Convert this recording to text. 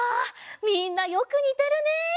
みんなよくにてるね。